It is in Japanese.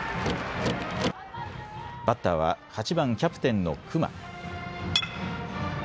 バッターは８番・キャプテンの隈。